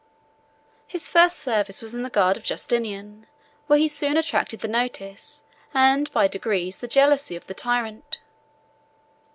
His first service was in the guards of Justinian, where he soon attracted the notice, and by degrees the jealousy, of the tyrant.